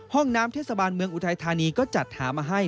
ห้องน้ำเทศบาลเมืองอุทัยธานีก็จัดหามาให้